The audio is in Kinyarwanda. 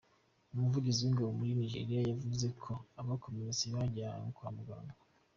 Umuvugizi w’ingabo muri Nigeriya yavuze ko abakomeretse babajyanye kwa muganga.